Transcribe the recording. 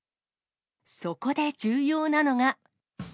そこで重要なのが。